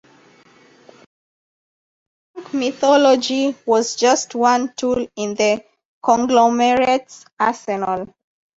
The P-Funk mythology was just one tool in the conglomerate's arsenal.